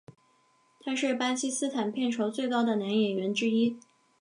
他是巴基斯坦片酬最高的男演员之一。